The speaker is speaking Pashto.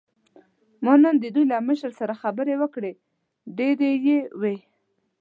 ما نن د دوی له مشر سره خبرې وکړې، ډېرې یې وې.